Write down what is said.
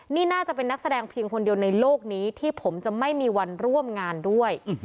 นี่น่าจะเป็นนักแสดงเพียงคนเดียวในโลกนี้ที่ผมจะไม่มีวันร่วมงานด้วย